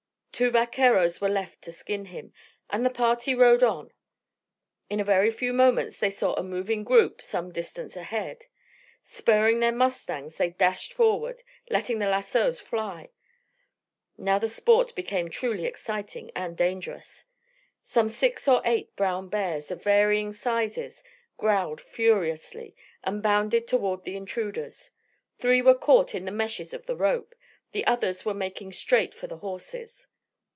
Two vaqueros were left to skin him, and the party rode on. In a very few moments they saw a moving group some distance ahead. Spurring their mustangs they dashed forward, letting the lassos fly. Now the sport became truly exciting and dangerous. Some six or eight brown bears, of varying sizes, growled furiously and bounded toward the intruders. Three were caught in the meshes of the rope, the others were making straight for the horses.